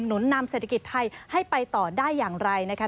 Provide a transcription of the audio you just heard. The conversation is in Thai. นุนนำเศรษฐกิจไทยให้ไปต่อได้อย่างไรนะคะ